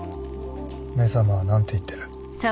「め様」は何て言ってる？